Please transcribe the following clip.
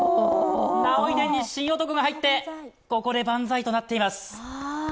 儺追殿に神男が入って、ここで万歳となっています。